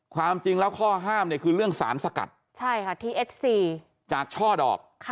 ความจริงแล้วข้อห้ามคือเรื่องสารสกัดจากช่อดอก